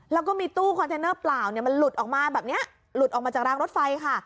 แล้วก็มีตู้คอนเทนเนอร์เปล่าเนี่ยมันหลุดออกมาแบบนี้หลุดออกมาจากรางรถไฟค่ะ